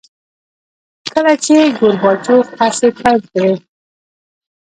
کله چې ګورباچوف هڅې پیل کړې.